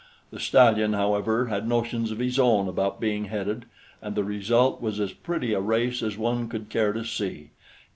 The stallion, however, had notions of his own about being headed, and the result was as pretty a race as one would care to see.